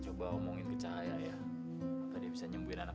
kalian menjual doa cahaya dan menipu semua orang